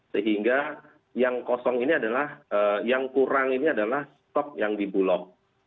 sehingga yang kosong ini adalah yang kurang ini adalah stok yang di bulog